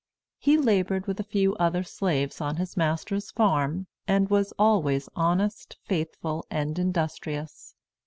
He labored with a few other slaves on his master's farm, and was always honest, faithful, and industrious.